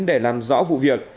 để làm rõ vụ việc